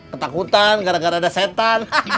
ketakutan gara gara ada setan